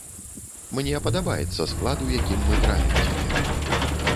Мне падабаецца склад, у якім мы граем цяпер.